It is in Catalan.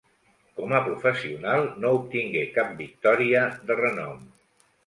Com a professional no obtingué cap victòria de renom.